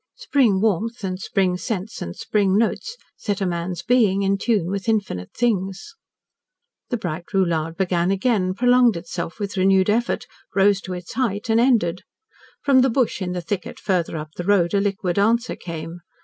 Spring warmth and spring scents and spring notes set a man's being in tune with infinite things. The bright roulade began again, prolonged itself with renewed effort, rose to its height, and ended. From a bush in the thicket farther up the road a liquid answer came.